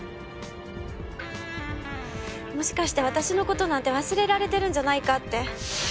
もしかして私の事なんて忘れられてるんじゃないかって。